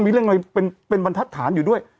มีเรื่องอะไรเป็นบรรทัศน์อยู่ด้วย